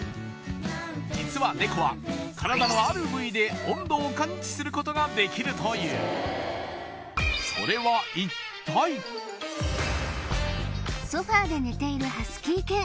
実はネコは体のある部位で温度を感知することができるというソファーで寝ているハスキー犬